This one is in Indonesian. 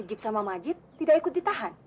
ijib sama majid tidak ikut ditahan